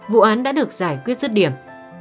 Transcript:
vụ án đã được giải quyết rất điểm